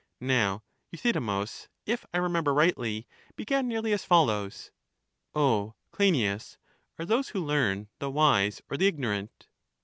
Now Euthydemus, if I remember rightly, began nearly as follows: O Cleinias, are those who learn the wise or the ignorant?